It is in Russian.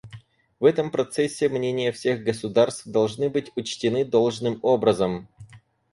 В этом процессе мнения всех государств должны быть учтены должным образом.